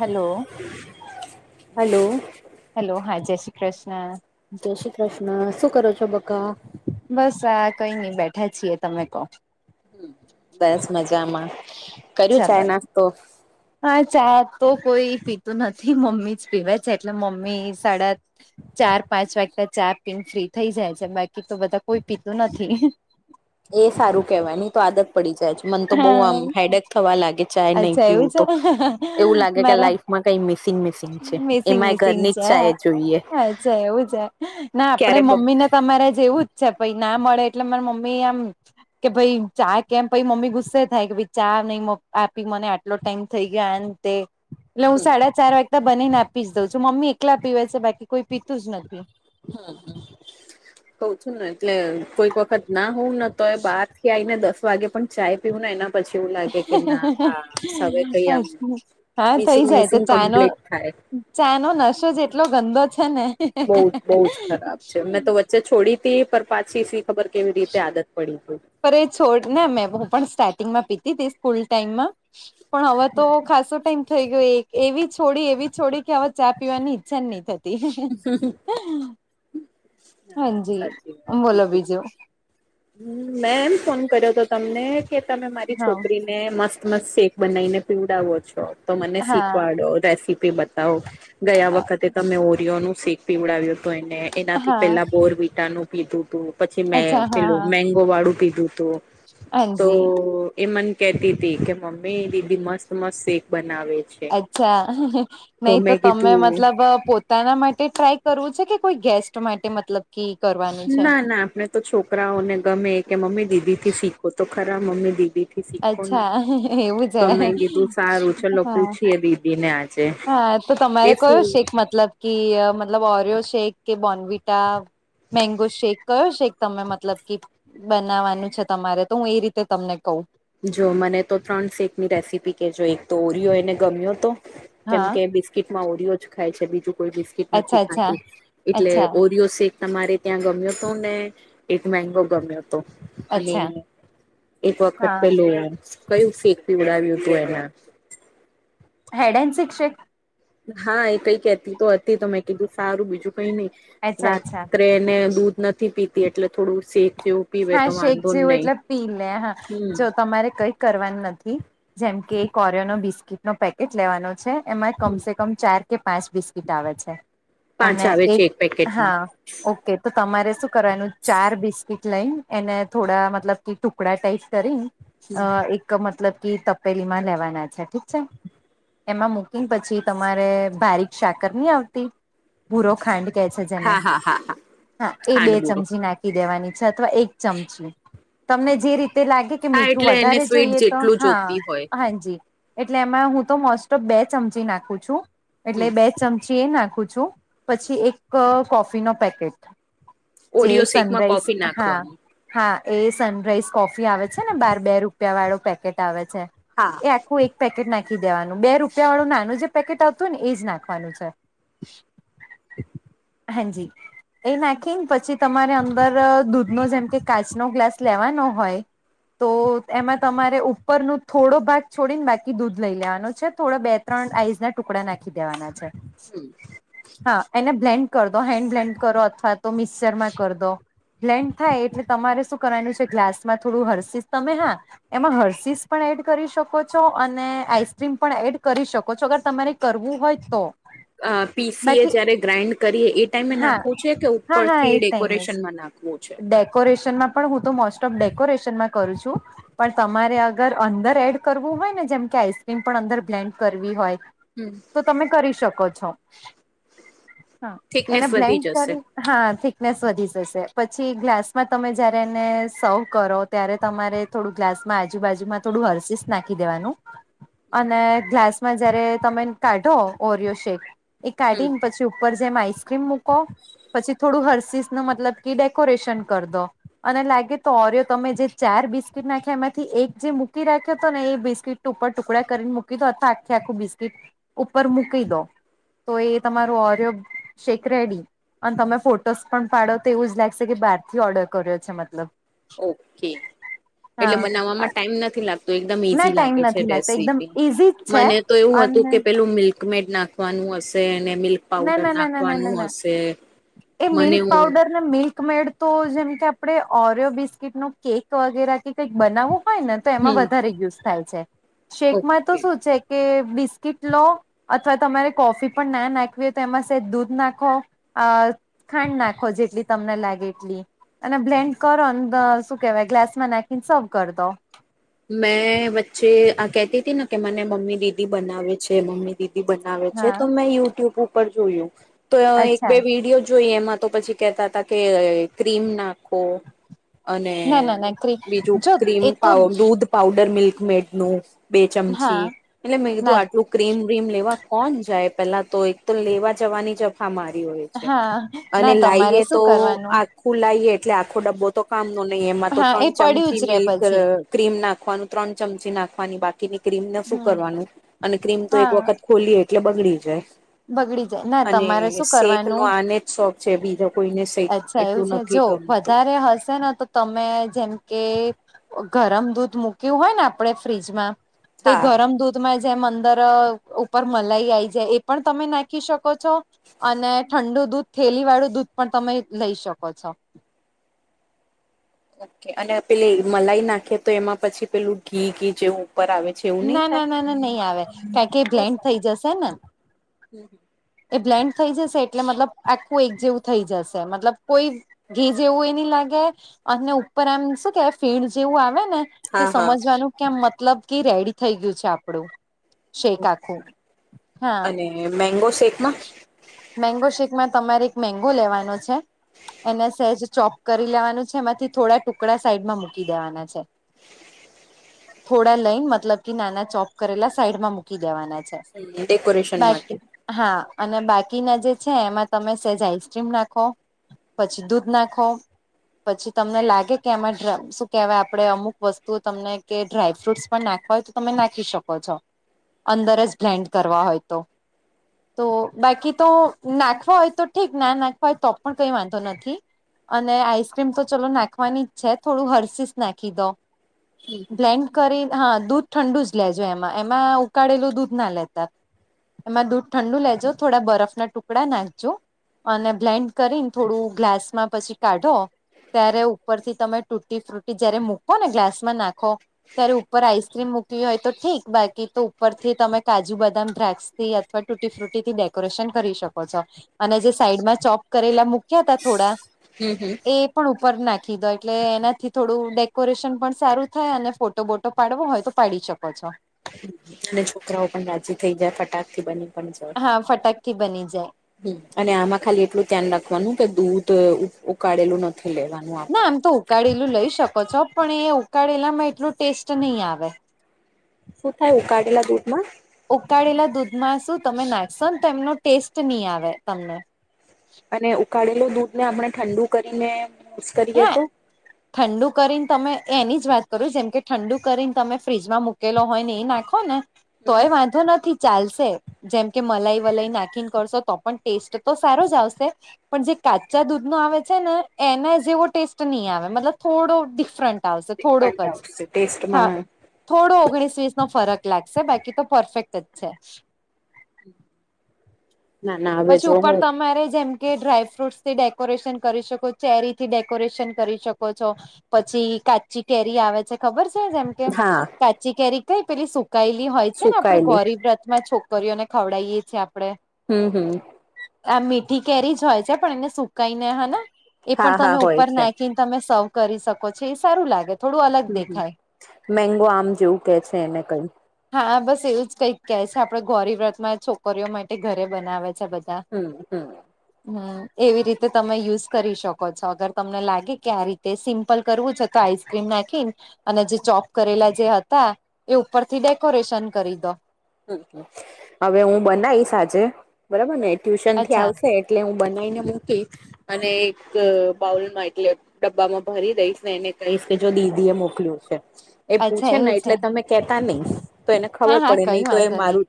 Hello hello. Hello હા જય શ્રી કૃષ્ણ. જય શ્રી કૃષ્ણ શું કરો છો બકા? બસ, આ કઈ નઈ બેઠા છીએ. તમે કો. બસ મજામાં. કર્યું ચાલો ચાય નાસ્તો? હા, ચા તો કોઈ પીતું નથી. મમ્મી જ પીવે છે, એટલે મમ્મી સાડા- ચાર પાંચ વાગતા ચા પીને ફ્રી થઈ જાય છે. બાકી તો બધા કોઈ પીતું નથી. એ હારું કેવાઈ. ની તો આદત- -પડી જાય છે. મન તો બઉ આમ હા હેડેક થવા લાગે ચાય નઈ અચ્છા એવું પીવું છે તો એવું લાગે કે મારા લાઈફ- માં કઈ મિસિંગ મિસિંગ છે. મિસિંગ એમાં એ મિસિંગ ઘરની જ છે ચાાય જોઈએ. અચ્છા એવું છે ના, આપડે ક્યારે મમ્મી કઉ ને તમારે જેવું જ- પઇ, ના મળે એટલે મારી મમ્મી આમ કે ભાઈ ચા કેમ પઇ મમ્મી- ગુસ્સે થાય કે, ભાઈ ચા નહી આપી મને, આટલો ટાઈમ થઈ ગયો આ, તે- -એટલે હું સાડા ચાર વાગતા બનીને આપી જ દઉં છું, મમ્મી એકલા પીવા છે. કોઈ પીતું જ નથી. હમ, હ કઉ છું ને એટલે કોઈક વખત- ના, હું ન તો એ બહારથી આઈને, દસ વાગે પણ ચાય પીવું ને એના- પછી લાગે કે ના હા, હવે આમ હા થઈ મિસિંગ જાય છે મિસિંગ ચાનો કમ્પ્લીટ થાય. ચાનો નશો જ એટલો ગંદો છે ને- બોઉજ, બોઉજ ખરાબ છે. મેં તો વચ્ચે છોડીતી, પણ પાછી- -ખબર કેવી રીતે આદત પડી ગઈ. પર, એ છોડ ને મેં, હું પણ સ્ટાર્ટિંગમાં પીતી તી સ્કૂલ ટાઈમમાં- પણ, હવે તો ખાસો ટાઈમ થઈ ગયો. એક એવી છોડી એવી છોડી કે, હવે ચા પીવાની ઈચ્છા નહી થતી. [unintelligible] હાજી, બોલો બીજું. હમ, મેં એમ ફોન કર્યો હતો તમને કે તમે મારી હા છોકરી- -મસ્ત મસ્ત શેક બનાવીને પીવડાવો છો, તો, મને હા શીખવાડો રેસીપી- -બતાવો ગયા વખતે તમે ઓરિયોનું શેક પીવડાવ્યું તો, એને, એનાથી- હા -બોરવિટાનું પીધું તું, પછી મે અચ્છા હા પેલું હા મેંગો વાળું પીધું તું- તો હાજી. એ મને કેતી તી, કે મમ્મી દીદી મસ્ત મસ્ત શેક બનાવે છે. અચ્છા, નહી તો મેં તમે કીધું મતલબ પોતાના- -તારા માટે ટ્રાય કરવું છે, કે, કોઈ ગેસ્ટ માટે મતલબ? કી કરવાનું. છે ના ના, આપણે તો છોકરાઓને ગમે, કે, મમ્મી દીદી થી શીખો તો ખરા મમ્મી દીદી- -શીખો અચ્છા એવું છે તો મેમે કીધું સારું ચલો હા પૂછીયે દીદી ને આજે- હા, તો તમારે એ કયો શું શેક, મતલબ કે મતલબ ઓરિયો શેક કે બોનવિટા- -મેંગો શેક કયો શેક તમે મતલબ કે- -બનાવાનું છે. તમારે તો હું એ રીતે તમને કહું. -જો, મને તો ત્રણ સેકની રેસીપી કહેજો. એક તો ઓરિયો એને ગમ્યો તો- -કેમ હા કે બિસ્કીટમાં ઓરિયો જ ખાય છે, બીજું કોઈ બિસ્ટ- અચ્છા -નથી અચ્છા ખાતી. એટલે અચ્છા ઓરિયો સ- -તમારે ત્યાં ગમ્યો તો ને, એક મેંગો ગમ્યો તો. અને અચ્છા એક વખત હા પેલું કયું શેક પીવડાવ્યું હતું એને- -હેડએન સીક શેક? હા, એ કઈ કેતી તો હતી. તો મેં કીધું સારું બીજું કઈ નહી અચ્છા રા- અચ્છા એને દૂધ નથી પીતી, એટલે થોડું શેક જેવું- પીવે હા, તો શેક વાંધો જેવું નહી એટલે પી લે હા હમ જો કઈ- કરવાનું નથી જેમકે એક ઓરયો ન બિસ્કીટ નો પેકેટ લેવાનો છે એમાં કમસે રકમ ચાર કે પાંચ બિસ્કીિટ આવે છે પાંચ અને આવે છે એક પેકેટમાં હા. ઓકે તો તમારે શું કરવાનું ચાર બિસ્કીટ લઈ એને થોડા મતલબ કે ટુકડા ટાઈપ કરીને એક મતલબ કે તપેલી માં લેવાના છે ઠીક છે. મુકીંગ પછી તમારે સાકર નહી આવતી. ભૂરો ખાંડ કે છે જેને હા હા હા હા હા એ બે ખાંડબુડો ચમચી નાખી દેવાની. અથવા ચમચી તમને જે તે લાગે કે હા મીઠું એટલે એને વધારે સ્વીટ જોઈએ તો જેટલું હા, જોતી હોય હાજી. એટલે એમાં હું તો મોસ્ટ ઓફ બે ચમચી નાખું છું એટલે બે ચમચી એ નાખું છું. પછી એક કોફી નો પેકેટ જે ઓરિયો શેકમાં કોફી સનરાઈઝ. હા નાખવાની હા એ સનરાઈઝ કોફી આવે છે, ને બાર બે રૂપિયા વાળો પેકેટ આવે છે. હા એ આખું પેકેટ નાખી દેવાનું છે, બે રૂપિયા વાળું નાનું જે પેકેટ આવતું, ને એજ નાખવાનું છે. હ.. હાજી એ નાખીને પછી તમારે અંદર દૂધ નો જેમ કે કાચ નો ગ્લાસ? લેવાનો હોય. તો એમાં તમારે ઉપર ન થોડો ભાગ છોડીને બાકી દૂધ લઈ લેવાનો છે, ત્રણ આઈસ ના ટુકડા નાખી દેવાના છે. હ.. હા એને બ્લેન્ડ કરી દો, હેન્ડ બ્લેન્ડ કરો અથવા તો મિક્સચરમાં કરી દો. લેન્ડ થાય એટલે તમારે શું કરવાનું છે ગ્લાસ માં થોડું હર્ષિસ તમે હા, એમાં હર્ષિસ પણ એડ કરી શકો છો, અને આઈસ્ક્રીમ પણ એડ કરી શકો છો. અગર તમારે તમારે કરવું હોઈ તો, પીસીએ બાકી જયારે ગ્રાઇન્ડ કરીએ, એ ટાઈમે હા નાખવું છે. હા ઉપર હા થી એ ટાઈમે જ ડેકોરેશન માં વું છું. ડેકોરેશનમાં પણ હું તો મોસ્ટ ઓફ ડેકોરેશનમાં કરું છું. પણ તમારે અગર અંદર એડ કરવું હોય ને, જેમ કે તમારે આઈસક્રીમ પણ અંદર બ્લેન્ડ કરવી હોય. હમ.. તો તમે કરી શકો છો. એને થિકનેસ વધી બ્લેન્ડ જશે કરી ને હા થીક નેસ વધી જશે. પછી ગ્લાસમાં જયારે એને સર્વ ત્યારે તમારે થોડું ગ્લાસમાં આજુબાજુમાં થોડું હર્સીિસ નાખી દેવાનું. અને ગ્લાસમાં જયારે તમે કાઢો ઓરિયો શેક એ હમ કાઢી ને થોડું ઇસેકરેઅમ મુકો, ને થોડું હરસિસ ને મતલબ કે ડેકોરેશન કર દો. અને લાગે તો ઓરિયો તમે જે ચાર બિસ્કીટ નાખ્યા, એમાંથી એક જે મૂકી રાખ્યો હતો, ને એ બિસ્કીટ ઉપર ટુકડા કરીને મૂકી દો, અથવા આખી આખું બિસ્કીટ ઉપર મૂકી દો. તો એ તમારું ઓરિયો શેક રેડી. અને તમે ફોટોસ પણ પાડો, તો એવું જ લાગશે કે બહાર થી ઓર્ડર કર્યો છે. મતલબ ઓકે.. હા બનાવવામાં ટાઈમ નથી, એકદમ ના ઈઝી ટાઈમ લાગે છે, નથી લાગતો એકદમ રેસીપી ઈઝી જ છે મને તો એવું હતું અને કે પેલું મિલ્કમેડ નાખવાનું હશે, અને મિલ્ક ના પાવડર ના ના ના ના નાખવાનું ના ના હશે એ મને મિલ્ક હું પાાવડર નાને મિલ્ક મેડ તો જેમ કે આપડે ઓરિયો બિસ્કીટ ન કેક વગેરે કે કંઈક બનાવું, હોય ને તો એમાં હમ વધારે યુઝ થાય છે, શેકમાં તો ઓકે શું છે કે બિસ કીટ લો અથવા તમારે કોફી પણ ના [unintelligible] [unintelligible] તો એમાં દૂધ નાખો, ખાંડ નાખો જેટલી તમને લાગે એટલી. અને બ્લેન્ડ કરો ને શું કેવાઈ ગ્લાસ માં નાખીને સર્વ કરી દો. મેં વચ્ચે આ કેતીતી ને કે મને મમ્મી દીદી બનાવે છે મમ્મી દીદી બનાવે છે, હા તો મેં યુટ્યુબ ઉપર જોયું તો એક બે અચ્છા વિડીયો જોઈ, એમાં તો પછી કેતાતા કે ક્રીમ નાખો. અને ના ના ના ક્રી બીજું જો ક્રીમ એ તો પાવ દૂધ તો પાઉડર મિલ્ક મેડ નું બે હા ચમચી એટલે મેં કીધું ના આટલું ક્રીમ બીમ લેવા કોણ જાય? પેલા તો એક તો લેવા જવાની જ મગજ મારી હોય છે, હા અને ના તમારે લાઈએ શું તો કરવાનું આ ખુલાઈએ એટલે આખો ડબ્બો તો કામ નો નહી, એમાં તો હા એ ત્રણ પડ્યું ચમચી જ રે મિલ્ક પછી ક્રીમ નાખ નાખવાનું ત્રણ ચમચી નાખવાની બાકીની ક્રીમ ને શું હમ કરવાનું? અને ક્રીમ તો હા એક વખત ખોલીએ એટલે બગડી જાય. બગડી જાય ના અને તમારે શું શેકનો કરવાનું આને જ શોખ છે બીજો કોઈને શેક થયું એટલું છે નથી જો ગમતું વધારે હશે ને તો તમે જેમ કે ગરમ દૂધ મૂક્યું હોય ને આપણે ફ્રીજમાં તો એ હા ગરમ દૂધમાં જેમ અંદર ઉપર મલાઈ આવી જાય એ પણ તમે નાખી શકો છો. અને ઠંડુ દૂધ થેલી વાળું દૂધ પણ તમે લઈ શકો છો. ઓકે અને પેલી મલાઈ નાખીએ તો એમાં પછી પેલું ઘી ઘી જેવું ઉપર આવે છે એવું વું નહી ના ના થાય? ના ના નહીં આવે કારણ કે બ્લેન્ડ થઈ જશે ને એ બ્લેન્ડ થઈ જશે એટલે મતલબ આખું એક જેવું થઈ જશે મતલબ કોઈ ઘી જેવુંય નહીં લાગે અને ઉપર આમ શું કેવાય ફીણ જેવું આવે ને! તે હા હા. સમજવાનું કેમ મતલબ કે રેડી થઈ ગયું છે આપણું. શેક આખું. હા. એ મેંગો શેકમાં મેગો શેકમાં તમારે એક મેગો લેવાનો છે. એના સહેજ ચોપ કરી લેવાનું છે એમાંથી થોડા ટુકડા સાઈડમાં મૂકી દેવાના છે. [inaudible] થોડા લઈન મતલબ કે નાના ચોપ કરેલા સાઈડમાં મૂકી દેવાના છે. ડેકોરેશન માટે બાકી હા અને બાકી કી ના જે છે એમાં તમે સેજ આઈસક્રીમ નાખો, પછી દૂધ નાખો, પછી તમને લાગે કે એમાં શું કેવાય આપડે અમુક વસ્તુઓ તમને કે ડ્રાયફ્રૂટસ પણ નાખવા હોય તો તમે નાખી શકો છો, અંદર જ બ્લેન્ડ કરવા હોય તો. તો બાકી તો નાખવા હોય તો ઠીક, ના નાખવા હોય તો પણ કઈ વાંધો નથી. અને આઈસક્રીમ તો ચલો નાખવાની જ છે થોડું હર્સીસ નાખી દો. બ્લેન્ડ કરીને હા દૂધ ઠંડુ જ લેજો એમાં એમાં ઉકાળેલું દૂધ ના લેતા. એમાં દૂધ ઠંડુ લેજો થોડા બરફના ટુકડા નાખજો. અને બ્લેન્ડ કરીને થોડું ગ્લાસમાં પછી કાઢો, ત્યારે ઉપરથી તમે તૂટી ફ્રૂટી જારે મૂકો ને ગ્લાસ માં નાખો ત્યારે ઉપર આઈસક્રીમ મૂકવી હોય તો ઠીક બાકી તો ઉપર થી તમે કાજુ, બદામ, દ્રાક્ષ થી અથવા તૂટી ફ્રૂટીથી ડેકોરેશન કરી શકો છો અને જે સાઈડમાં ચોપ કરેલા મૂક્યા તા થોડા હમ હમ એ પણ ઉપર નાખી દો એટલે એનાથી થોડું ડેકોરેશન પણ સારું થાય અને ફોટો બોટો પાડવો હોય તો પાડી શકો છો. અને છોકરાઓ પણ રાજી થઈ જાય ફટાક થી બની પણ જાય હા ફટાકથી બની જાય. અને આમાં ખાલી એટલું ધ્યાન રાખવાનું કે દૂધ ઉકાળેલું નથી લેવા ના આમ તો ઉકાળેલું લઈ શકો છો પણ એ ઉકાળેલામાં એટલું ટેસ્ટ નહી આવે. શું થાય ઉકાળેલા દૂધ માં? ઉકાળેલા દૂધમાં શું તમે નાખશો ને તો એમનો ટેસ્ટ નહી આવે તમને. અને ઉકાળેલુ દૂધ ને આપણે ઠંડુ કરીને યુઝ કરીએ હા તો? ઠંડુ કરીને તમે એની જ વાત કરુ જેમ કે ઠંડુ કરીને તમે ફ્રીજમાં મૂકેલો હોય ને એ નાખો ને તોય વાંધો નથી! ચાલશે જેમ કે મલાઈ વલાઈ નાખીને કરશો તો પણ ટેસ્ટ તો સારો જ આવશે. પણ જે કાચા દૂધ નો આવે છે ને એના જેવો ટેસ્ટ નહી આવે મતલબ થોડો ડિફરન્ટ થોડોક ડિફરન્ટ જ, આવશે હા. ટેસ્ટમાં થોડો ઓગણીસ વીસ નો ફરક લાગશે બાકી તો પરફેક્ટ જ છે. ના ના હવે પછી જો ઉપર હું તમારે જેમ કે ડ્રાયફ્રૂટ્સ થી ડેકોરેશન કરી શકો ચેરી થી ડેકોરેશન કરી શકો છો. પછી કાચી કેરી આવે છે ખબર છે જેમ હા કાચી કેરી કઈ પેલી સુકાયેલી હોય છે ને આપડે સુકાયેલી ગૌરી વ્રત માં છો છોકરીઓ ને ખવડાવીએ છીએ આપડણે હું હું આ મીઠી કેરી જ હોય છે પણ એને સુકાઈ ને હને એ હા પણ હા તમે હોય ઉપર છે હમ નાખીન તમે સવ કરી શકો છો એ સારું લાગે થોડું અલગ હમ દેખાય મેંગો આમ જેવું કે છે એને કંઈ હા બસ એવું જ કંઈક કે છે આપડે ગોરી વ્રત માં છોકરીઓ માટે ઘરે બનાવે છે બધા હુ હુ હુ એવી રીતે તમે યુઝ કરી શકો છો અગર તમને લાગે કે આ રીતે સિમ્પલ કરવું છે આઈસક્રીમ નાખીન અને જે ચોપ કરેલા જે હતા એ ઉપર થી ડેકોરેશન કરી દો હવે હું બનાઈશ આજે બરાબર ને ટ્યુશન થી અચ્છા આવશે એટલે હું બનાઈને મૂકી અને એક બાઉલમાં એટલે ડબ્બામાં ભરી દઈશ ને એને કહીશ કે જો દીદી એ મોકલ્યું છે એ અચ્છા પૂછે ને એવું છે એટલે તમે કેતા નહી તો એને હા ખબર હા પડે કઈ નહી તો એ વાંધો નહી મારું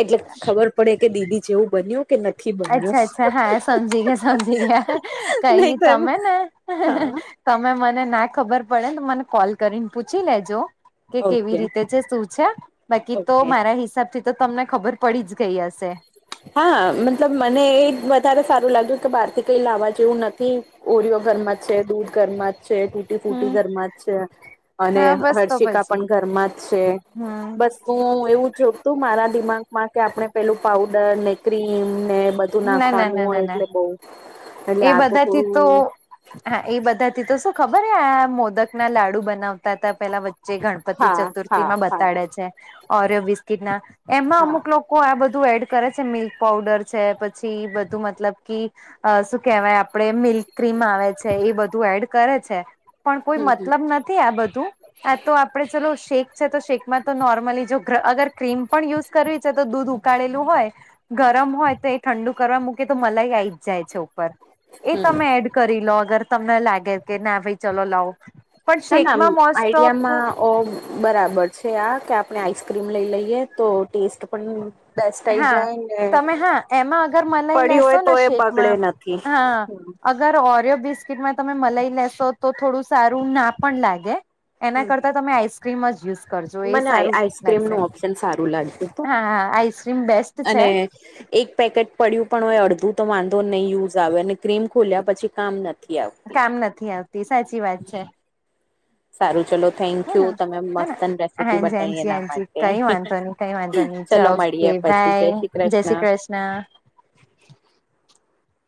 એટલે ખબર પડે કે દીદી જેવું બન્યું કે નથી બન્યું અચ્છા અચ્છા હા સમજી ગયા સમજી ગયા કઈ નહી ની તો એમ તમે ને હા તમે મને ના ખબર પડેને તો મને કોલ કરીને પૂછી લેજો કે કેવી ઓકે રીતે છે શું છે બાકી તો ઓકે મારા હિસાબથી તો તમને ખબર પડી જ ગઈ હશે હા મતલબ મને એ વધારે સારું લાગ્યું કે બહાર થી કઈ લાવવા જેવું નથી ઓરિયો ઘરમાં જ છે દૂધ ઘર માં જ છે ફૂટી હમ ઘરમાં જ છે અને હા બસ તો હર્ષિકા પછી પણ ઘરમાં જ છે હમ બસ હું એવું છું તો મારા દિમાગમાં કે આપણે પેલું પાવડર ને ક્રીમ ને બધ ધૂ ના ના નાખવાનું ના ના હોય ના એટલે બઉ એટલે એ આ બધાથી તો થોડું હા એ બધા થી તો શું ખબર હ આ મોદક ના લાડુ બનાવતા. બતાવતા પેલા વચ્ચે ગણપતિ હા ચતુર્થી હા માં હા બતાડે છે ઓરિયો બિસ્કીિટ ના. એમાં હા અમુક લોકો લોકો આ બધું એડ કરે છે મિલ્ક પાવડર છે પછી બધું મતલબ કી કેવાય આપડે મિલ્ક ક્રીમ આવે છે એ બધું એડ કરે છે. પણ કોઈ હમ હમ મતલબ નથી આ બધું. આ તો આપડે ચલો શેક છે તો શેકમાં તો નોર્મલી જો અગર ક્રીમ પણ યુઝ કરવી છે તો દૂધ ઉપ [unintelligible] ઉકાળેલું હોય ગરમ હોય તો એ ઠંડુ કરવા મૂકે તો મલાઈ આવી જ જાય છે ઉપર. એ હમ તમે એડ કરી લો અગર તમને લાગે કે ના ભાઈ ચલો લાવ. પણ શેકમાં મા મોસ્ટ ઓફ ઓ બરાબર છે આ કે આપણે આઈસક્રીમ લઈ લઈએ તો ટેસ્ટ પણ બેસ્ટ આઈ હા જાય ને તમે હા એમાં અગર મલાઈ પડી હોય તો લેશોને એ બગડે શેકમાં નથી. હા. હમ અગર ઓરિયો બિસ્કીિટમાં તમે મલાઈ લેશો તો થોડું સારું ના પણ લાગે. એના હમ કરતા તમે આઈસક્રીમ જ યુઝ કરજો એ મને સારું જ આઈસક્રીમ લાગશે નું ઓપ્શન સારું લાગ્યું હતું હા હા આઈસ્ક્રીમ બેસ્ટ છે. અને એક પેકેટ પડ્યું પણ હોય અડધું તો વાંધો નહી યુઝ આવે અને ક્રીમ ખોલ્યા પછી કામ નથી. આવતી. કામ નથી આવતી સાચી વાત છે. સારું ચલો થેન્ક હન, યુ હન, તમે હાજી, મસ્તન રેસીપી બતાવી હાજી, એના હાજી માટે કઈ વાંધો નહી. કઈ વાધો નહિ ચલો [unintelligible] ઓકે મળીએ પછી બાય જય કૃષ્ણ. શ્રી કૃષ્ણ.